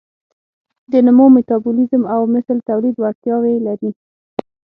د نمو، میتابولیزم او مثل تولید وړتیاوې لري.